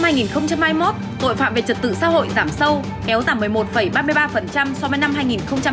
năm hai nghìn hai mươi một tội phạm về trật tự xã hội giảm sâu kéo giảm một mươi một ba mươi ba so với năm hai nghìn hai mươi hai